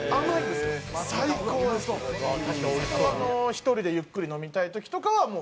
１人でゆっくり飲みたい時とかは。